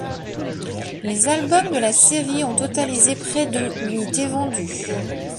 Les albums de la série ont totalisé près de unités vendues.